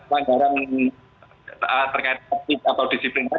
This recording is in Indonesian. pelanggaran terkait atau disiplin